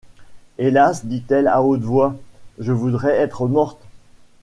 Hélas! dit-elle à haute voix, je voudrais être morte !